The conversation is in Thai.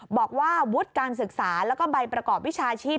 บอกว่าวุฒิการศึกษาแล้วก็ใบประกอบวิชาชีพ